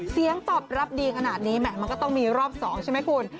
เสียงตอบรับดีขนาดนี้แหม่มันก็ต้องมีรอบ๒ใช่ไหมคุณ